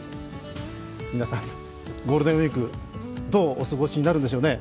皆さん、ゴールデンウイーク、どうお過ごしになるんでしょうね。